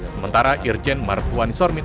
sementara irjen martwani sormin